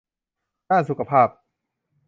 ด้านสุขภาพ